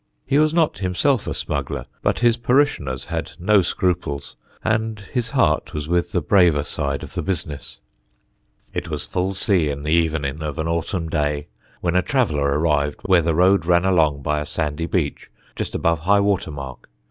He was not himself a smuggler, but his parishioners had no scruples, and his heart was with the braver side of the business: It was full sea in the evening of an autumn day when a traveller arrived where the road ran along by a sandy beach just above high water mark.